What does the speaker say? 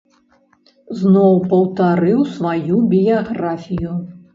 Зноў паўтарыў сваю біяграфію.